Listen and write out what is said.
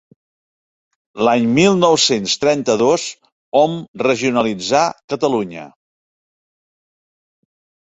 L'any mil nou-cents trenta-dos hom regionalitzà Catalunya.